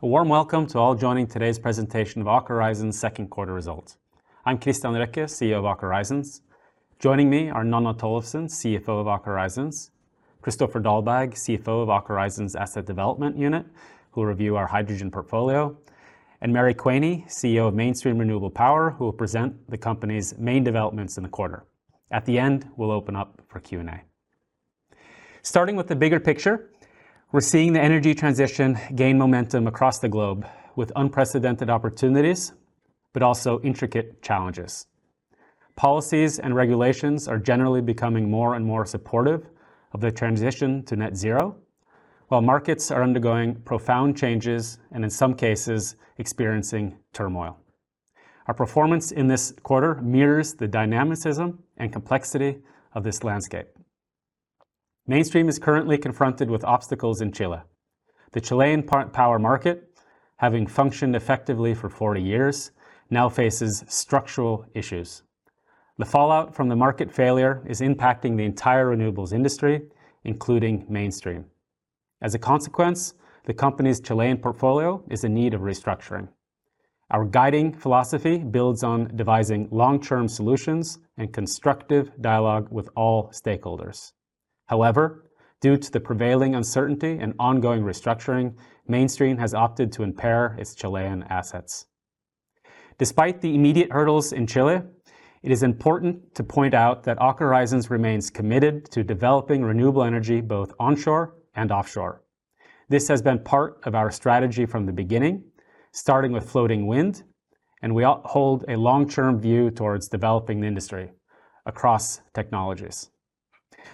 A warm welcome to all joining today's presentation of Aker Horizons second quarter results. I'm Kristian Røkke, CEO of Aker Horizons. Joining me are Nanna Tollefsen, CFO of Aker Horizons, Kristoffer Dahlberg, CFO of Aker Horizons Asset Development Unit, who will review our hydrogen portfolio, and Mary Quaney, CEO of Mainstream Renewable Power, who will present the company's main developments in the quarter. At the end, we'll open up for Q&A. Starting with the bigger picture, we're seeing the energy transition gain momentum across the globe with unprecedented opportunities, but also intricate challenges. Policies and regulations are generally becoming more and more supportive of the transition to net zero, while markets are undergoing profound changes and in some cases, experiencing turmoil. Our performance in this quarter mirrors the dynamicism and complexity of this landscape. Mainstream is currently confronted with obstacles in Chile. The Chilean part power market, having functioned effectively for 40 years, now faces structural issues. The fallout from the market failure is impacting the entire renewables industry, including Mainstream. As a consequence, the company's Chilean portfolio is in need of restructuring. Our guiding philosophy builds on devising long-term solutions and constructive dialogue with all stakeholders. However, due to the prevailing uncertainty and ongoing restructuring, Mainstream has opted to impair its Chilean assets. Despite the immediate hurdles in Chile, it is important to point out that Aker Horizons remains committed to developing renewable energy, both onshore and offshore. This has been part of our strategy from the beginning, starting with floating wind, and we hold a long-term view towards developing the industry across technologies.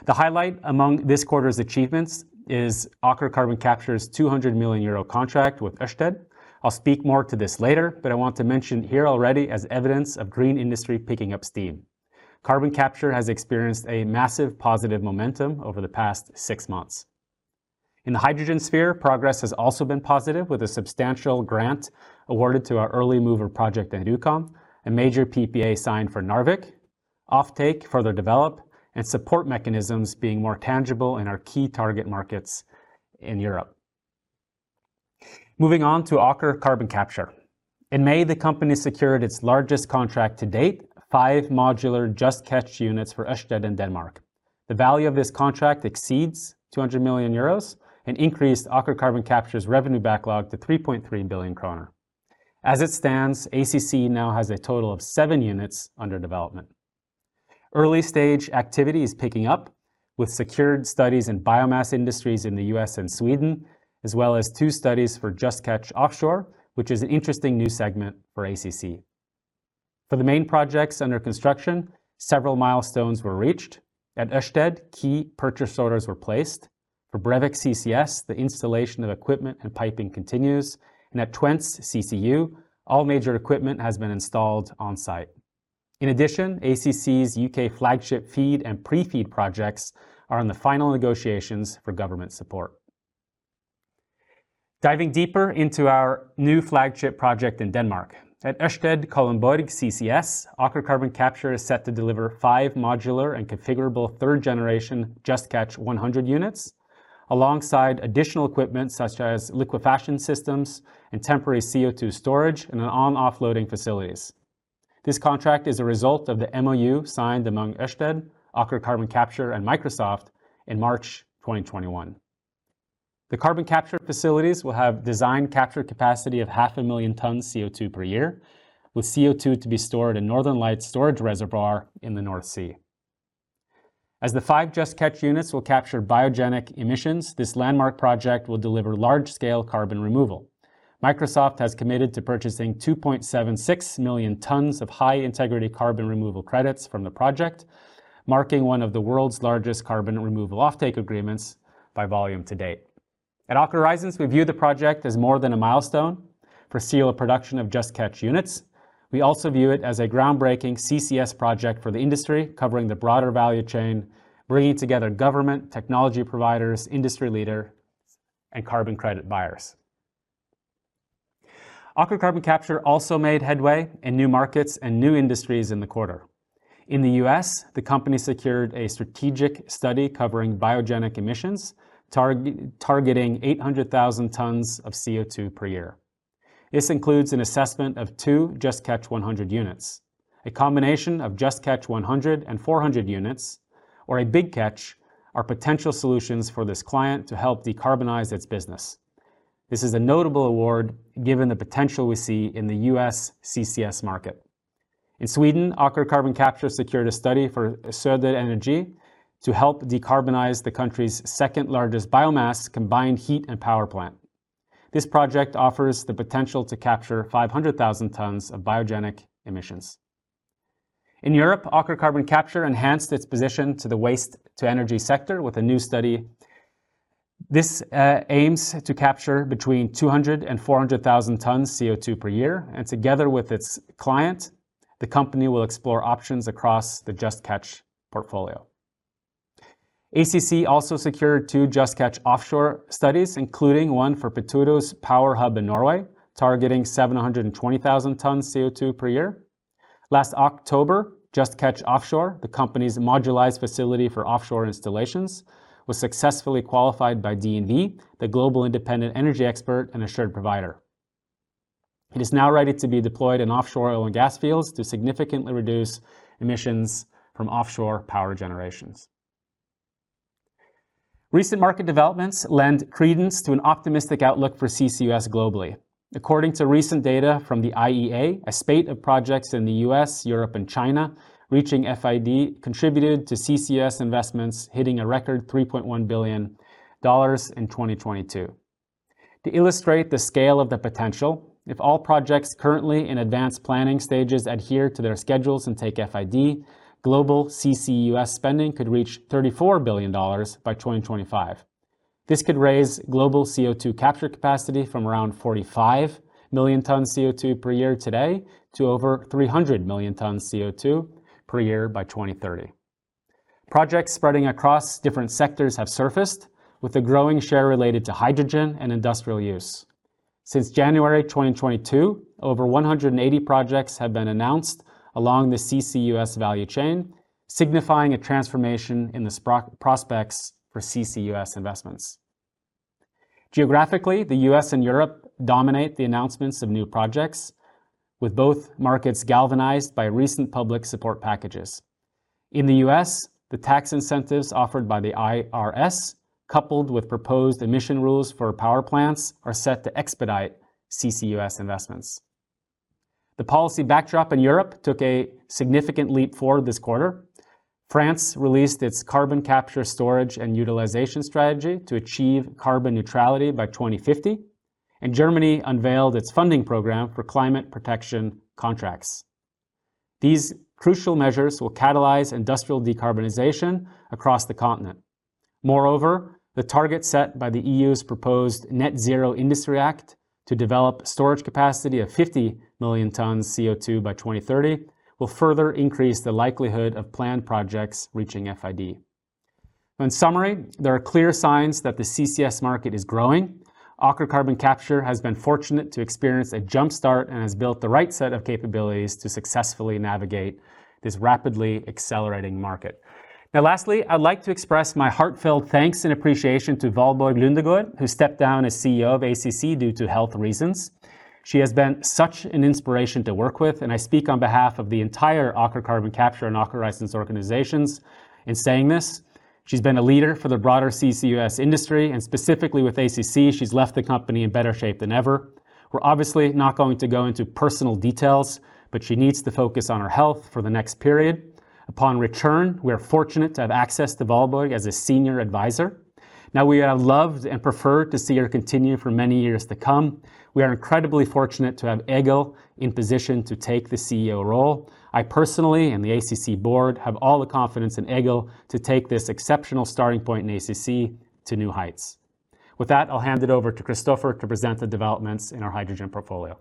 The highlight among this quarter's achievements is Aker Carbon Capture's 200 million euro contract with Ørsted. I'll speak more to this later. I want to mention here already as evidence of green industry picking up steam. Carbon capture has experienced a massive positive momentum over the past six months. In the hydrogen sphere, progress has also been positive, with a substantial grant awarded to our early mover project in Duqm, a major PPA signed for Narvik, offtake further develop, and support mechanisms being more tangible in our key target markets in Europe. Moving on to Aker Carbon Capture. In May, the company secured its largest contract to date, five modular Just Catch units for Ørsted in Denmark. The value of this contract exceeds 200 million euros and increased Aker Carbon Capture's revenue backlog to 3.3 billion kroner. As it stands, ACC now has a total of seven units under development. Early-stage activity is picking up, with secured studies in biomass industries in the U.S. and Sweden, as well as two studies for Just Catch Offshore, which is an interesting new segment for ACC. For the main projects under construction, several milestones were reached. At Ørsted, key purchase orders were placed. For Brevik CCS, the installation of equipment and piping continues, and at Twente CCU, all major equipment has been installed on-site. In addition, ACC's U.K. flagship FEED and pre-FEED projects are in the final negotiations for government support. Diving deeper into our new flagship project in Denmark. At Ørsted Kalundborg Hub CCS, Aker Carbon Capture is set to deliver five modular and configurable third-generation Just Catch 100 units, alongside additional equipment such as liquefaction systems and temporary CO2 storage, and an on/offloading facilities. This contract is a result of the MOU signed among Ørsted, Aker Carbon Capture, and Microsoft in March 2021. The carbon capture facilities will have design capture capacity of half a million tons CO2 per year, with CO2 to be stored in Northern Lights storage reservoir in the North Sea. As the five JustCatch units will capture biogenic emissions, this landmark project will deliver large-scale carbon removal. Microsoft has committed to purchasing 2.76 million tons of high-integrity carbon removal credits from the project, marking one of the world's largest carbon removal offtake agreements by volume to date. At Aker Horizons, we view the project as more than a milestone for seal of production of JustCatch units. We also view it as a groundbreaking CCS project for the industry, covering the broader value chain, bringing together government, technology providers, industry leader, and carbon credit buyers. Aker Carbon Capture also made headway in new markets and new industries in the quarter. In the US, the company secured a strategic study covering biogenic emissions, targeting 800,000 tons of CO2 per year. This includes an assessment of two Just Catch™ 100 units. A combination of Just Catch™ 100 and 400 units or a Big Catch™ are potential solutions for this client to help decarbonize its business. This is a notable award given the potential we see in the US CCS market. In Sweden, Aker Carbon Capture secured a study for Söderenergi to help decarbonize the country's second-largest biomass combined heat and power plant. This project offers the potential to capture 500,000 tons of biogenic emissions. In Europe, Aker Carbon Capture enhanced its position to the waste-to-energy sector with a new study. This aims to capture between 200,000-400,000 tons CO2 per year, and together with its client, the company will explore options across the Just Catch™ portfolio. ACC also secured two Just Catch Offshore studies, including one for Petoro's power hub in Norway, targeting 720,000 tons CO2 per year. Last October, Just Catch Offshore, the company's modularized facility for offshore installations, was successfully qualified by DNV, the global independent energy expert and assured provider. It is now ready to be deployed in offshore oil and gas fields to significantly reduce emissions from offshore power generations. Recent market developments lend credence to an optimistic outlook for CCUS globally. According to recent data from the IEA, a spate of projects in the U.S., Europe, and China, reaching FID, contributed to CCUS investments, hitting a record $3.1 billion in 2022. To illustrate the scale of the potential, if all projects currently in advanced planning stages adhere to their schedules and take FID, global CCUS spending could reach $34 billion by 2025. This could raise global CO2 capture capacity from around 45 million tons CO2 per year today to over 300 million tons CO2 per year by 2030. Projects spreading across different sectors have surfaced, with a growing share related to hydrogen and industrial use. Since January 2022, over 180 projects have been announced along the CCUS value chain, signifying a transformation in the prospects for CCUS investments. Geographically, the U.S. and Europe dominate the announcements of new projects, with both markets galvanized by recent public support packages. In the U.S., the tax incentives offered by the IRS, coupled with proposed emission rules for power plants, are set to expedite CCUS investments. The policy backdrop in Europe took a significant leap forward this quarter. France released its carbon capture, storage, and utilization strategy to achieve carbon neutrality by 2050. Germany unveiled its funding program for climate protection contracts. These crucial measures will catalyze industrial decarbonization across the continent. Moreover, the target set by the EU's proposed Net-Zero Industry Act to develop storage capacity of 50 million tons CO2 by 2030 will further increase the likelihood of planned projects reaching FID. In summary, there are clear signs that the CCS market is growing. Aker Carbon Capture has been fortunate to experience a jump start and has built the right set of capabilities to successfully navigate this rapidly accelerating market. Now, lastly, I'd like to express my heartfelt thanks and appreciation to Valborg Lundegaard, who stepped down as CEO of ACC due to health reasons. She has been such an inspiration to work with. I speak on behalf of the entire Aker Carbon Capture and Aker Horizons organizations in saying this. She's been a leader for the broader CCUS industry. Specifically with ACC, she's left the company in better shape than ever. We're obviously not going to go into personal details. She needs to focus on her health for the next period. Upon return, we are fortunate to have access to Valborg as a senior advisor. We would have loved and preferred to see her continue for many years to come. We are incredibly fortunate to have Egil in position to take the CEO role. I personally and the ACC board have all the confidence in Egil to take this exceptional starting point in ACC to new heights. With that, I'll hand it over to Kristoffer to present the developments in our hydrogen portfolio.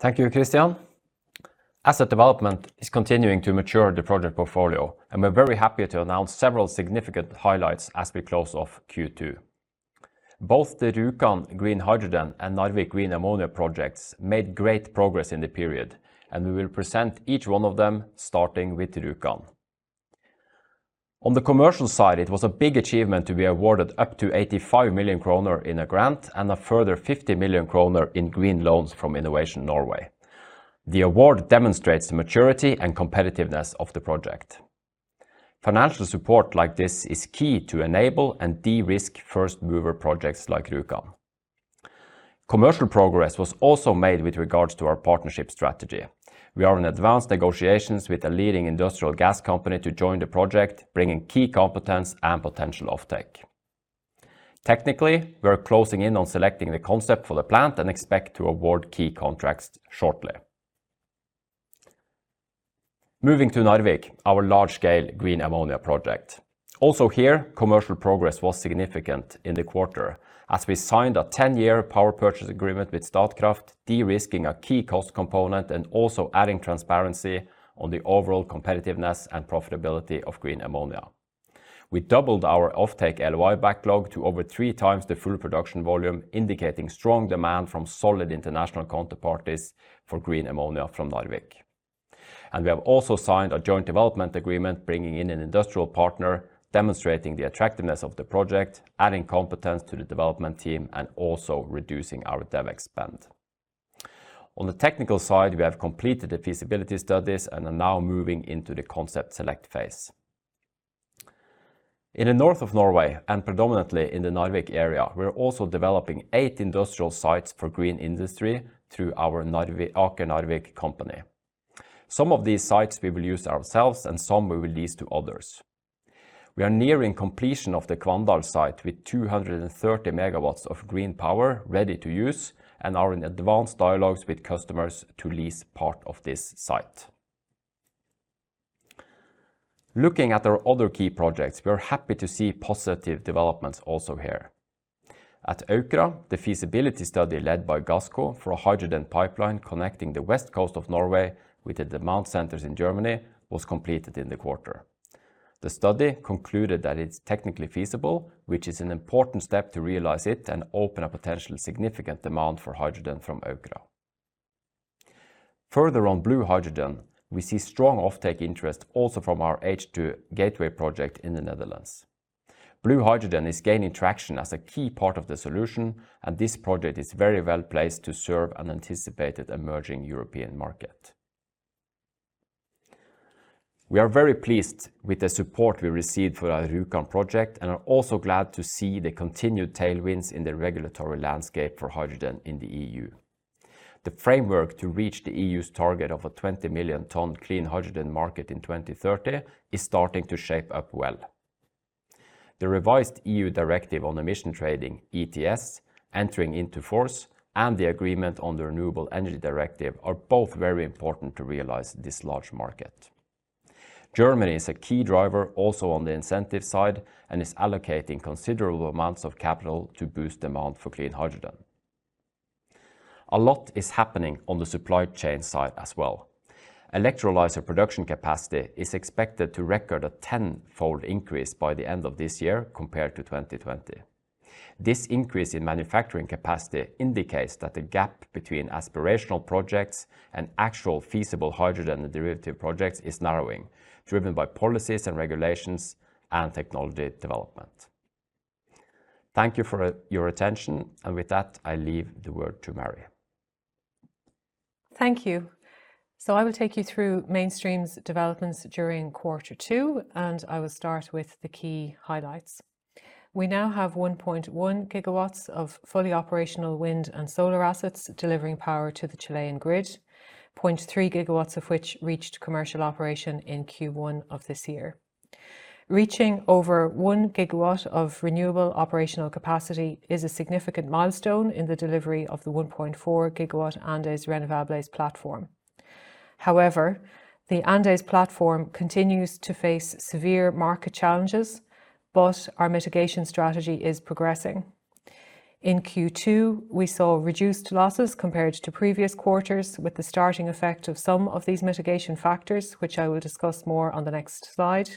Thank you, Christian. Asset development is continuing to mature the project portfolio, we're very happy to announce several significant highlights as we close off Q2. Both the Rjukan Green Hydrogen and Narvik Green Ammonia projects made great progress in the period, we will present each one of them, starting with Rjukan. On the commercial side, it was a big achievement to be awarded up to 85 million kroner in a grant and a further 50 million kroner in green loans from Innovation Norway. The award demonstrates the maturity and competitiveness of the project. Financial support like this is key to enable and de-risk first-mover projects like Rjukan. Commercial progress was also made with regards to our partnership strategy. We are in advanced negotiations with a leading industrial gas company to join the project, bringing key competence and potential offtake. Technically, we are closing in on selecting the concept for the plant and expect to award key contracts shortly. Moving to Narvik, our large-scale green ammonia project. Also here, commercial progress was significant in the quarter as we signed a 10-year power purchase agreement with Statkraft, de-risking a key cost component and also adding transparency on the overall competitiveness and profitability of green ammonia. We doubled our offtake LOI backlog to over 3x the full production volume, indicating strong demand from solid international counterparties for green ammonia from Narvik. We have also signed a joint development agreement, bringing in an industrial partner, demonstrating the attractiveness of the project, adding competence to the development team, and also reducing our dev spend. On the technical side, we have completed the feasibility studies and are now moving into the concept select phase. In the north of Norway, and predominantly in the Narvik area, we are also developing eight industrial sites for green industry through our Aker Narvik company. Some of these sites we will use ourselves and some we will lease to others. We are nearing completion of the Kvandal site with 230 MW of green power ready to use and are in advanced dialogues with customers to lease part of this site. Looking at our other key projects, we are happy to see positive developments also here. At Aukra, the feasibility study led by Gassco for a hydrogen pipeline connecting the west coast of Norway with the demand centers in Germany was completed in the quarter. The study concluded that it's technically feasible, which is an important step to realize it and open a potential significant demand for hydrogen from Aukra. Further on blue hydrogen, we see strong offtake interest also from our H2 Gateway project in the Netherlands. Blue hydrogen is gaining traction as a key part of the solution, and this project is very well placed to serve an anticipated emerging European market. We are very pleased with the support we received for our Rjukan project, and are also glad to see the continued tailwinds in the regulatory landscape for hydrogen in the EU. The framework to reach the EU's target of a 20 million ton clean hydrogen market in 2030 is starting to shape up well. The revised EU directive on emission trading, ETS, entering into force, and the agreement on the Renewable Energy Directive are both very important to realize this large market. Germany is a key driver also on the incentive side, and is allocating considerable amounts of capital to boost demand for clean hydrogen. A lot is happening on the supply chain side as well. Electrolyzer production capacity is expected to record a tenfold increase by the end of this year compared to 2020. This increase in manufacturing capacity indicates that the gap between aspirational projects and actual feasible hydrogen derivative projects is narrowing, driven by policies and regulations and technology development. Thank you for your attention, and with that, I leave the word to Marie. Thank you. I will take you through Mainstream's developments during Quarter Two, and I will start with the key highlights. We now have 1.1 GW of fully operational wind and solar assets delivering power to the Chilean grid, 0.3 GW of which reached commercial operation in Q1 of this year. Reaching over 1 GW of renewable operational capacity is a significant milestone in the delivery of the 1.4 GW Andes Renovables platform. The Andes platform continues to face severe market challenges, but our mitigation strategy is progressing. In Q2, we saw reduced losses compared to previous quarters, with the starting effect of some of these mitigation factors, which I will discuss more on the next slide,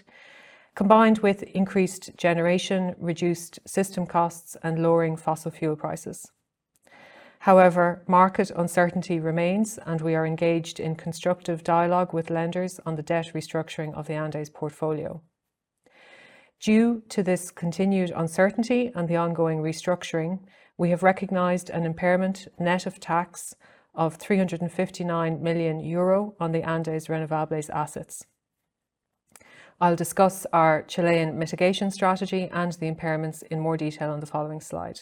combined with increased generation, reduced system costs, and lowering fossil fuel prices. Market uncertainty remains, and we are engaged in constructive dialogue with lenders on the debt restructuring of the Andes portfolio. Due to this continued uncertainty and the ongoing restructuring, we have recognized an impairment net of tax of 359 million euro on the Andes Renovables assets. I'll discuss our Chilean mitigation strategy and the impairments in more detail on the following slide.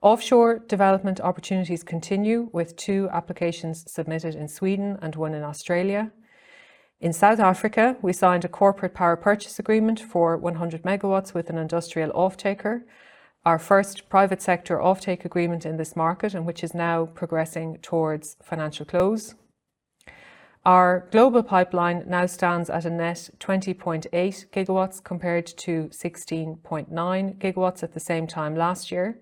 Offshore development opportunities continue, with two applications submitted in Sweden and one in Australia. In South Africa, we signed a corporate power purchase agreement for 100 MW with an industrial offtaker, our first private sector offtake agreement in this market, and which is now progressing towards financial close. Our global pipeline now stands at a net 20.8 gigawatts, compared to 16.9 gigawatts at the same time last year.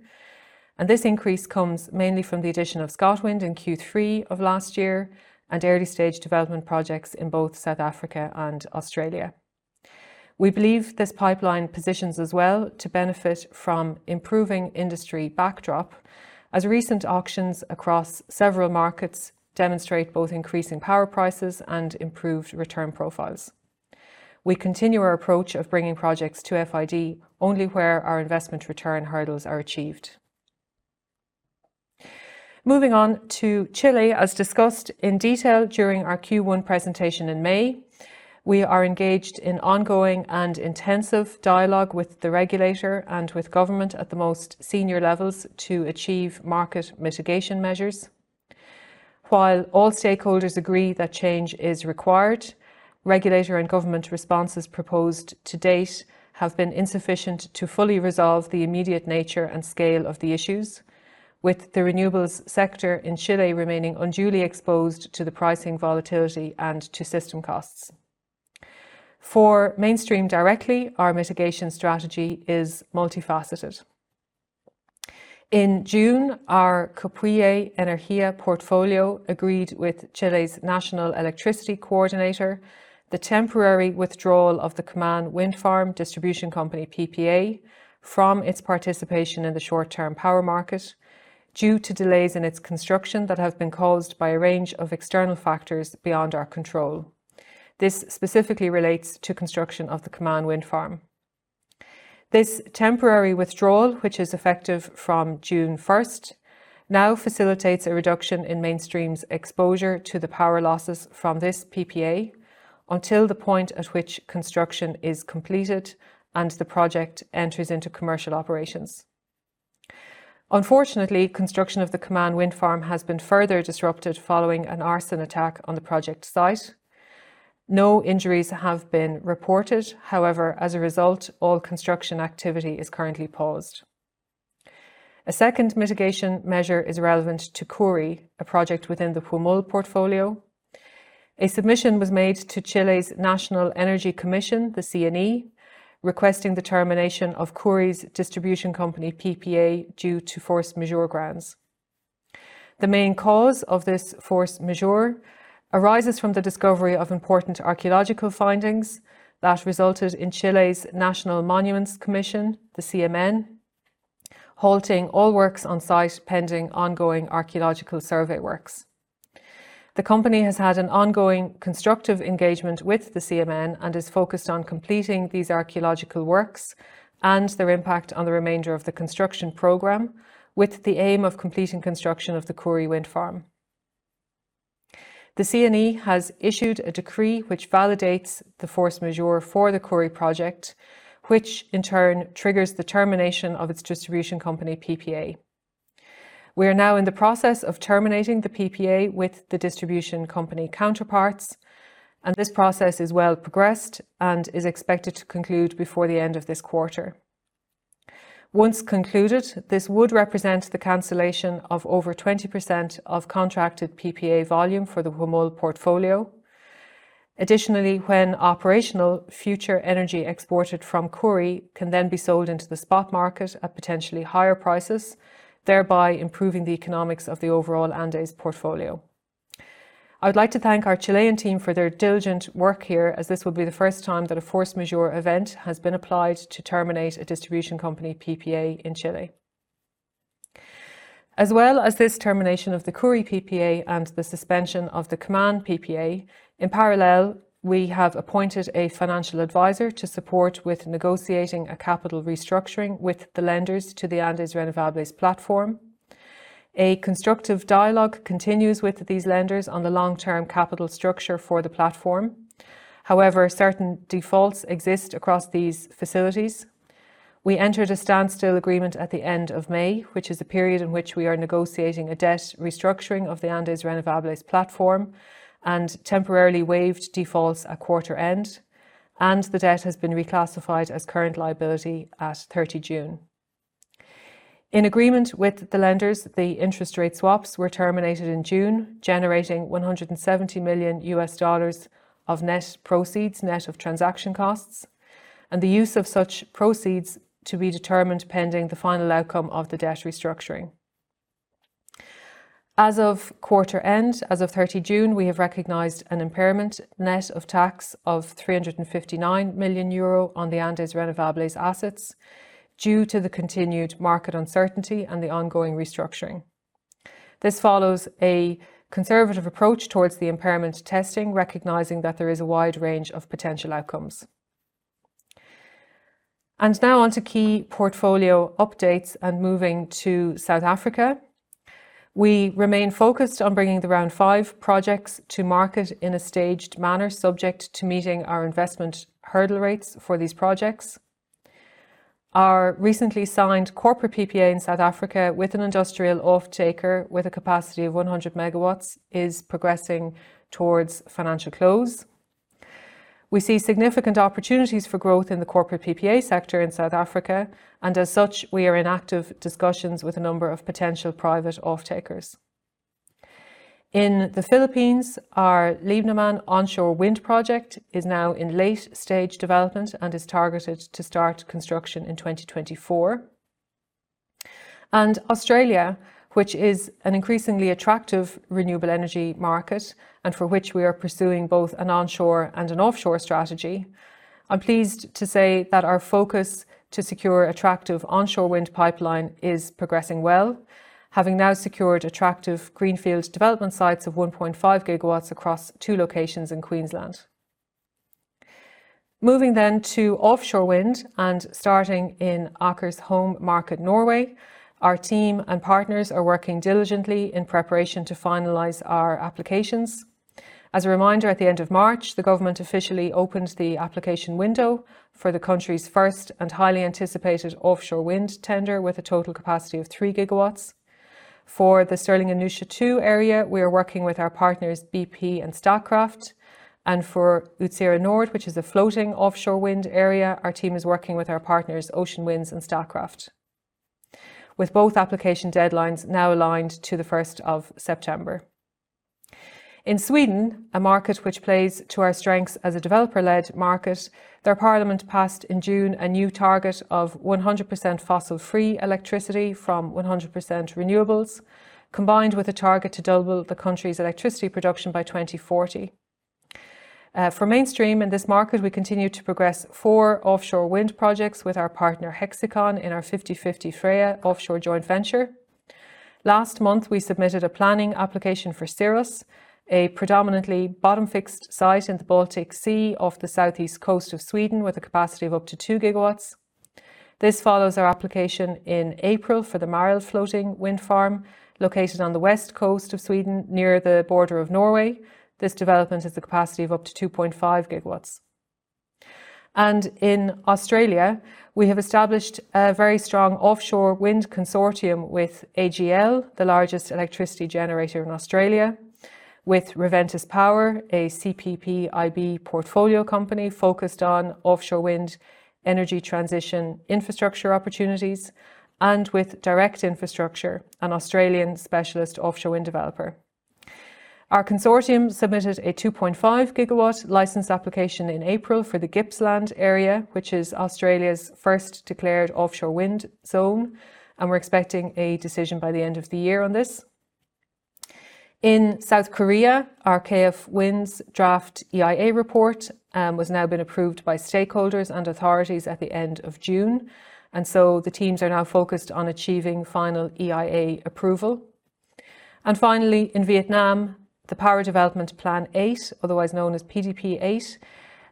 This increase comes mainly from the addition of ScotWind in Q3 of last year and early-stage development projects in both South Africa and Australia. We believe this pipeline positions us well to benefit from improving industry backdrop, as recent auctions across several markets demonstrate both increasing power prices and improved return profiles. We continue our approach of bringing projects to FID only where our investment return hurdles are achieved. Moving on to Chile. As discussed in detail during our Q1 presentation in May, we are engaged in ongoing and intensive dialogue with the regulator and with government at the most senior levels to achieve market mitigation measures. While all stakeholders agree that change is required, regulator and government responses proposed to date have been insufficient to fully resolve the immediate nature and scale of the issues, with the renewables sector in Chile remaining unduly exposed to the pricing volatility and to system costs. For Mainstream directly, our mitigation strategy is multifaceted. In June, our Copihue Energía portfolio agreed with Chile's national electricity coordinator, the temporary withdrawal of the Kaman Wind Farm distribution company PPA from its participation in the short-term power market due to delays in its construction that have been caused by a range of external factors beyond our control. This specifically relates to construction of the Kaman Wind Farm. This temporary withdrawal, which is effective from June first, now facilitates a reduction in Mainstream's exposure to the power losses from this PPA until the point at which construction is completed and the project enters into commercial operations. Unfortunately, construction of the Kaman Wind Farm has been further disrupted following an arson attack on the project site. No injuries have been reported. However, as a result, all construction activity is currently paused. A second mitigation measure is relevant to Kuri, a project within the Huemul portfolio. A submission was made to Chile's National Energy Commission, the CNE, requesting the termination of Kuri's distribution company, PPA, due to force majeure grounds. The main cause of this force majeure arises from the discovery of important archaeological findings that resulted in Chile's National Monuments Commission, the CMN, halting all works on site pending ongoing archaeological survey works. The company has had an ongoing constructive engagement with the CMN and is focused on completing these archaeological works and their impact on the remainder of the construction program, with the aim of completing construction of the Ckhuri Wind Farm. The CNE has issued a decree which validates the force majeure for the Ckhuri project, which in turn triggers the termination of its distribution company, PPA. We are now in the process of terminating the PPA with the distribution company counterparts, and this process is well progressed and is expected to conclude before the end of this quarter. Once concluded, this would represent the cancellation of over 20% of contracted PPA volume for the Huemul portfolio. Additionally, when operational, future energy exported from Ckhuri can then be sold into the spot market at potentially higher prices, thereby improving the economics of the overall Andes portfolio. I would like to thank our Chilean team for their diligent work here, as this will be the first time that a force majeure event has been applied to terminate a distribution company, PPA, in Chile. This termination of the Ckhuri PPA and the suspension of the Kaman PPA, in parallel, we have appointed a financial advisor to support with negotiating a capital restructuring with the lenders to the Andes Renovables platform. A constructive dialogue continues with these lenders on the long-term capital structure for the platform. However, certain defaults exist across these facilities. We entered a standstill agreement at the end of May, which is a period in which we are negotiating a debt restructuring of the Andes Renovables platform and temporarily waived defaults at quarter end, and the debt has been reclassified as current liability at 30 June. In agreement with the lenders, the interest rate swaps were terminated in June, generating $170 million of net proceeds, net of transaction costs, and the use of such proceeds to be determined pending the final outcome of the debt restructuring. As of quarter end, as of 30 June, we have recognized an impairment net of tax of 359 million euro on the Andes Renovables' assets due to the continued market uncertainty and the ongoing restructuring. This follows a conservative approach towards the impairment testing, recognizing that there is a wide range of potential outcomes. Now on to key portfolio updates and moving to South Africa. We remain focused on bringing the Round 5 projects to market in a staged manner, subject to meeting our investment hurdle rates for these projects. Our recently signed corporate PPA in South Africa with an industrial offtaker with a capacity of 100 MW, is progressing towards financial close. We see significant opportunities for growth in the corporate PPA sector in South Africa, as such, we are in active discussions with a number of potential private offtakers. In the Philippines, our Libmanan onshore wind project is now in late stage development and is targeted to start construction in 2024. Australia, which is an increasingly attractive renewable energy market and for which we are pursuing both an onshore and an offshore strategy. I'm pleased to say that our focus to secure attractive onshore wind pipeline is progressing well, having now secured attractive greenfield development sites of 1.5 GW across two locations in Queensland. Moving to offshore wind and starting in Aker's home market, Norway, our team and partners are working diligently in preparation to finalize our applications. As a reminder, at the end of March, the government officially opened the application window for the country's first and highly anticipated offshore wind tender, with a total capacity of 3 GW. For the Sørlige Nordsjø II, we are working with our partners, BP and Statkraft, and for Utseira Nord, which is a floating offshore wind area, our team is working with our partners, Ocean Winds and Statkraft, with both application deadlines now aligned to the first of September. In Sweden, a market which plays to our strengths as a developer-led market, their parliament passed in June a new target of 100% fossil-free electricity from 100% renewables, combined with a target to double the country's electricity production by 2040. For Mainstream in this market, we continue to progress 4 offshore wind projects with our partner, Hexicon, in our 50/50 Freja Offshore joint venture. Last month, we submitted a planning application for Cirrus, a predominantly bottom-fixed site in the Baltic Sea off the southeast coast of Sweden, with a capacity of up to 2 GW. This follows our application in April for the Mareld floating wind farm, located on the west coast of Sweden, near the border of Norway. This development has the capacity of up to 2.5 GW. In Australia, we have established a very strong offshore wind consortium with AGL, the largest electricity generator in Australia, with Reventus Power, a CPP IB portfolio company focused on offshore wind energy transition infrastructure opportunities, and with DIRECT Infrastructure, an Australian specialist offshore wind developer. Our consortium submitted a 2.5 GW license application in April for the Gippsland area, which is Australia's first declared offshore wind zone, and we're expecting a decision by the end of the year on this. In South Korea, our KF Wind's draft EIA report was now been approved by stakeholders and authorities at the end of June. The teams are now focused on achieving final EIA approval. Finally, in Vietnam, the Power Development Plan 8, otherwise known as PDP8,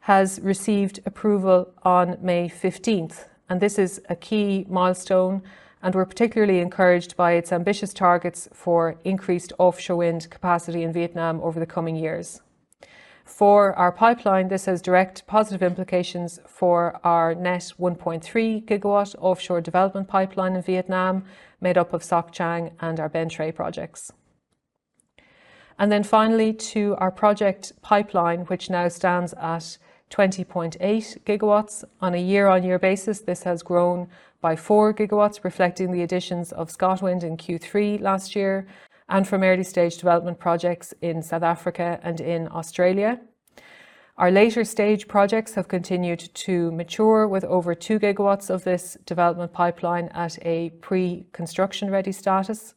has received approval on May 15th. This is a key milestone. We're particularly encouraged by its ambitious targets for increased offshore wind capacity in Vietnam over the coming years. For our pipeline, this has direct positive implications for our net 1.3 GW offshore development pipeline in Vietnam, made up of Soc Trang and our Bến Tre projects. Finally, to our project pipeline, which now stands at 20.8 GW. On a year-on-year basis, this has grown by 4 GW, reflecting the additions of ScotWind in Q3 last year and from early stage development projects in South Africa and in Australia. Our later stage projects have continued to mature with over 2 GW of this development pipeline at a pre-construction ready status.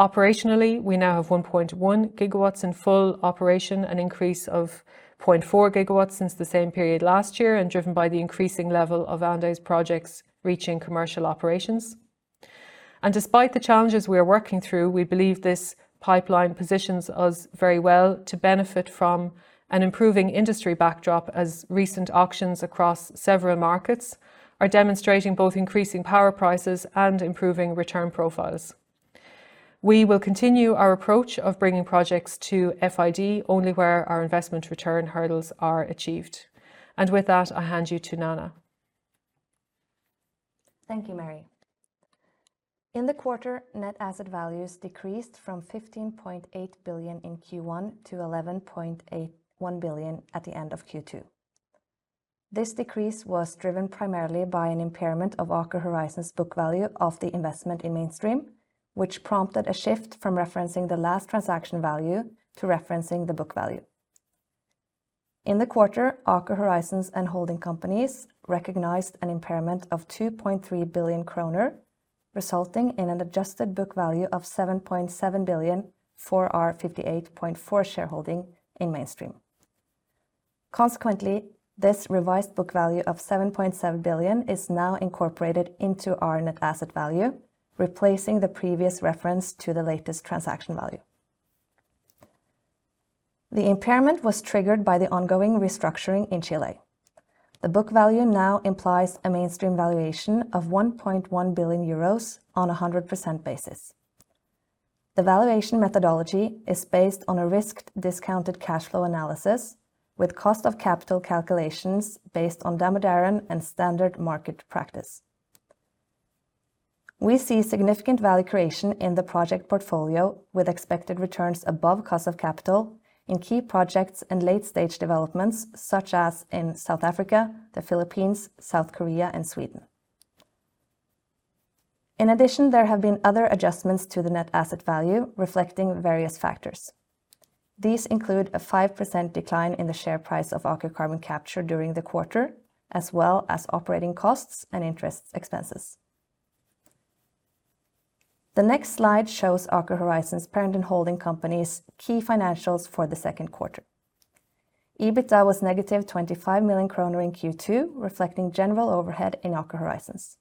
Operationally, we now have 1.1 GW in full operation, an increase of 0.4 GW since the same period last year, driven by the increasing level of Andes Renovables projects reaching commercial operations. Despite the challenges we are working through, we believe this pipeline positions us very well to benefit from an improving industry backdrop, as recent auctions across several markets are demonstrating both increasing power prices and improving return profiles. We will continue our approach of bringing projects to FID only where our investment return hurdles are achieved. With that, I hand you to Nanna. Thank you, Mary. In the quarter, net asset values decreased from 15.8 billion in Q1 to 11.81 billion at the end of Q2. This decrease was driven primarily by an impairment of Aker Horizons book value of the investment in Mainstream, which prompted a shift from referencing the last transaction value to referencing the book value. In the quarter, Aker Horizons and holding companies recognized an impairment of 2.3 billion kroner, resulting in an adjusted book value of 7.7 billion for our 58.4% shareholding in Mainstream. Consequently, this revised book value of 7.7 billion is now incorporated into our net asset value, replacing the previous reference to the latest transaction value. The impairment was triggered by the ongoing restructuring in Chile. The book value now implies a Mainstream valuation of 1.1 billion euros on a 100% basis. The valuation methodology is based on a risked discounted cash flow analysis, with cost of capital calculations based on Damodaran and standard market practice. We see significant value creation in the project portfolio, with expected returns above cost of capital in key projects and late-stage developments, such as in South Africa, the Philippines, South Korea, and Sweden. There have been other adjustments to the net asset value, reflecting various factors. These include a 5% decline in the share price of Aker Carbon Capture during the quarter, as well as operating costs and interest expenses. The next slide shows Aker Horizons parent and holding companies key financials for the second quarter. EBITDA was negative 25 million kroner in Q2, reflecting general overhead in Aker Horizons.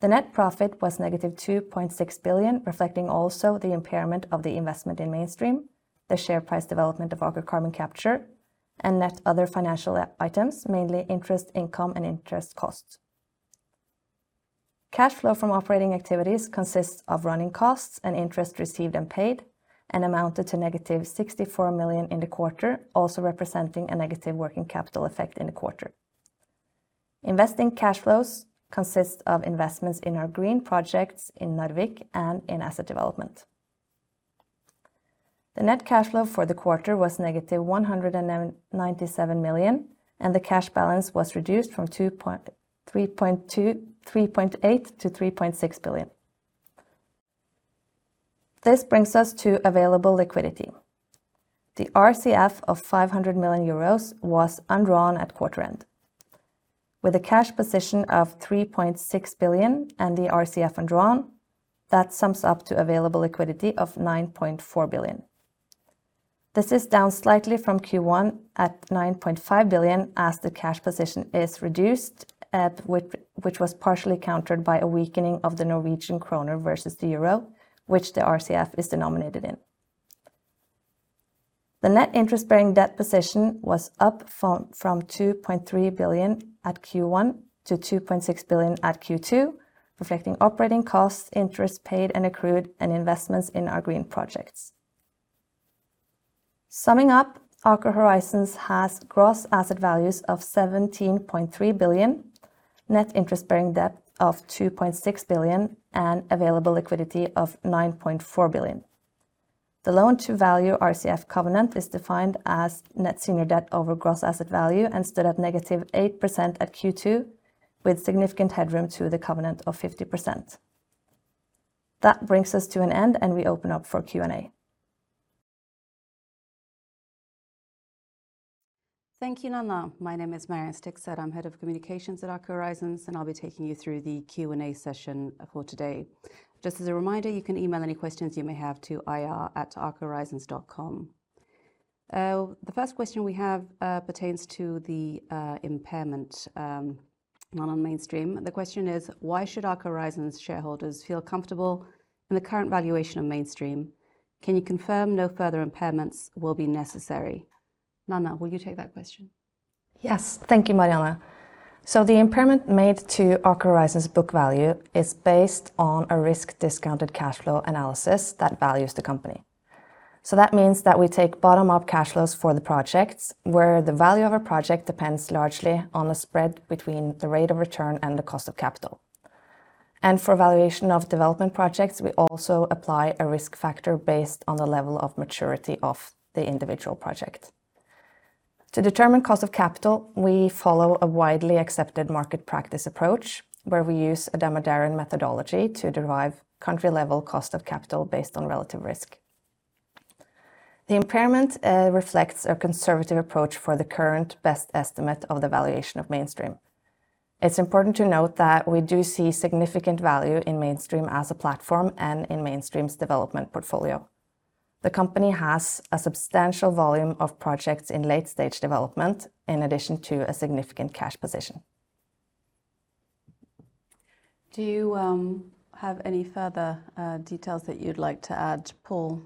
The net profit was negative 2.6 billion, reflecting also the impairment of the investment in Mainstream, the share price development of Aker Carbon Capture, and net other financial items, mainly interest income and interest costs. Cash flow from operating activities consists of running costs and interest received and paid, amounted to negative 64 million in the quarter, also representing a negative working capital effect in the quarter. Investing cash flows consists of investments in our green projects in Narvik and in asset development. The net cash flow for the quarter was negative 97 million. The cash balance was reduced from 3.8 billion to 3.6 billion. This brings us to available liquidity. The RCF of 500 million euros was undrawn at quarter end. With a cash position of 3.6 billion and the RCF undrawn, that sums up to available liquidity of 9.4 billion. This is down slightly from Q1 at 9.5 billion, as the cash position is reduced, which was partially countered by a weakening of the Norwegian kroner versus the euro, which the RCF is denominated in. The net interest-bearing debt position was up from 2.3 billion at Q1 to 2.6 billion at Q2, reflecting operating costs, interest paid and accrued, and investments in our green projects. Summing up, Aker Horizons has gross asset values of 17.3 billion, net interest bearing debt of 2.6 billion, and available liquidity of 9.4 billion. The loan to value RCF covenant is defined as net senior debt over gross asset value, and stood at -8% at Q2 with significant headroom to the covenant of 50%. That brings us to an end, and we open up for Q&A. Thank you, Nanna. My name is Marianne Stigset. I'm head of communications at Aker Horizons, and I'll be taking you through the Q&A session for today. Just as a reminder, you can email any questions you may have to ir@akerhorizons.com. The first question we have pertains to the impairment on Mainstream. The question is: Why should Aker Horizons shareholders feel comfortable in the current valuation of Mainstream? Can you confirm no further impairments will be necessary? Nanna, will you take that question? Yes. Thank you, Marianne. The impairment made to Aker Horizons book value is based on a risk-discounted cash flow analysis that values the company. That means that we take bottom-up cash flows for the projects, where the value of a project depends largely on the spread between the rate of return and the cost of capital. For valuation of development projects, we also apply a risk factor based on the level of maturity of the individual project. To determine cost of capital, we follow a widely accepted market practice approach, where we use a Damodaran methodology to derive country-level cost of capital based on relative risk. The impairment reflects a conservative approach for the current best estimate of the valuation of Mainstream. It's important to note that we do see significant value in Mainstream as a platform and in Mainstream's development portfolio. The company has a substantial volume of projects in late-stage development, in addition to a significant cash position. Do you have any further details that you'd like to add, Paul?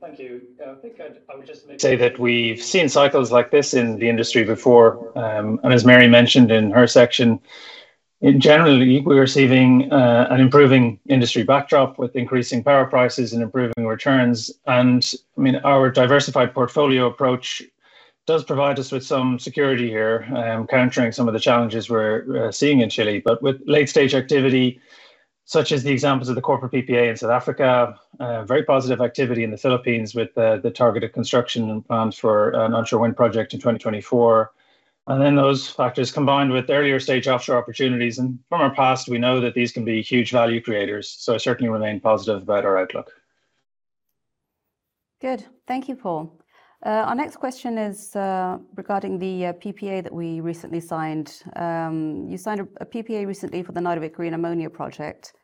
Thank you. I think I would just maybe say that we've seen cycles like this in the industry before. As Mary mentioned in her section, in generally, we're receiving an improving industry backdrop with increasing power prices and improving returns. I mean, our diversified portfolio approach does provide us with some security here, countering some of the challenges we're seeing in Chile. With late-stage activity, such as the examples of the corporate PPA in South Africa, very positive activity in the Philippines with the targeted construction and plans for an onshore wind project in 2024. Those factors, combined with earlier-stage offshore opportunities, and from our past, we know that these can be huge value creators, so I certainly remain positive about our outlook. Good. Thank you, Paul. Our next question is regarding the PPA that we recently signed. You signed a PPA recently for the Narvik Green Ammonia project.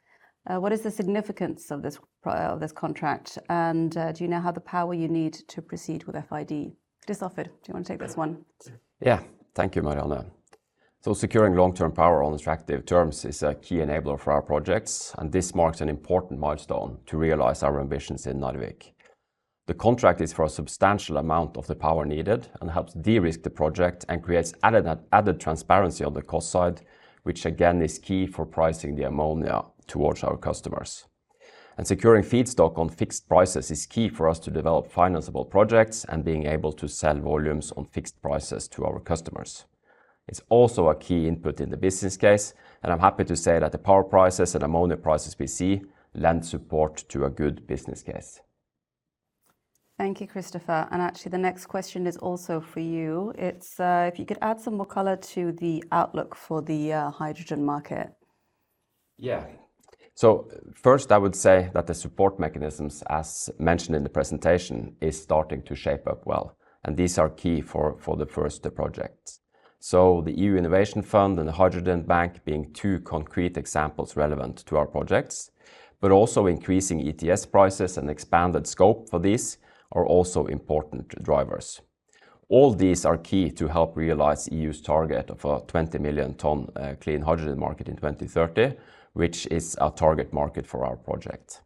What is the significance of this contract, and do you now have the power you need to proceed with FID? Kristoffer, do you want to take this one? Thank you, Marianne. Securing long-term power on attractive terms is a key enabler for our projects, and this marks an important milestone to realize our ambitions in Narvik. The contract is for a substantial amount of the power needed, helps de-risk the project, and creates added transparency on the cost side, which, again, is key for pricing the ammonia towards our customers. Securing feedstock on fixed prices is key for us to develop financeable projects and being able to sell volumes on fixed prices to our customers. It's also a key input in the business case, and I'm happy to say that the power prices and ammonia prices we see lend support to a good business case. Thank you, Kristoffer, and actually, the next question is also for you. It's, if you could add some more color to the outlook for the hydrogen market. Yeah. First, I would say that the support mechanisms, as mentioned in the presentation, is starting to shape up well, and these are key for the first projects, the EU Innovation Fund and the Hydrogen Bank being two concrete examples relevant to our projects. Also increasing ETS prices and expanded scope for these are also important drivers. All these are key to help realize EU's target of a 20 million tons clean hydrogen market in 2030, which is our target market for our project.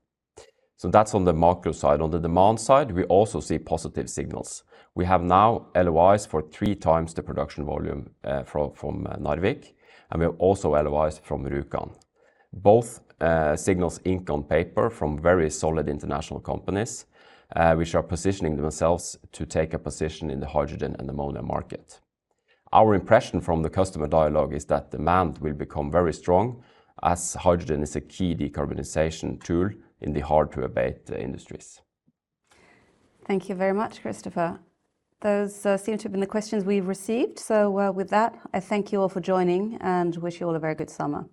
That's on the macro side. On the demand side, we also see positive signals. We have now LOIs for 3x the production volume from Narvik, and we have also LOIs from Rjukan. Both signals ink on paper from very solid international companies, which are positioning themselves to take a position in the hydrogen and ammonia market. Our impression from the customer dialogue is that demand will become very strong, as hydrogen is a key decarbonization tool in the hard-to-abate industries. Thank you very much, Kristoffer. Those seem to have been the questions we've received, so, with that, I thank you all for joining and wish you all a very good summer.